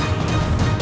aku akan menang